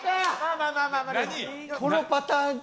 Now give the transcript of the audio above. このパターンか。